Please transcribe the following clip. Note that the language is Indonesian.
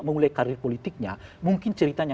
memulai karir politiknya mungkin ceritanya